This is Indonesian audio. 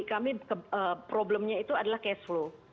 kami problemnya itu adalah cash flow